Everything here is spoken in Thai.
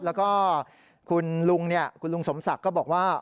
แล้วก็คุณลุงสมศักดิ์ก็บอกว่า